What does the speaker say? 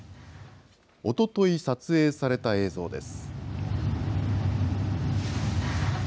おととい撮影された映像です。